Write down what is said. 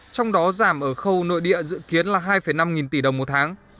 trong đó giảm ở khâu nội địa dự kiến là hai năm nghìn tỷ đồng một tháng